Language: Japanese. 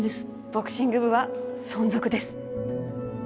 ボクシング部は存続です！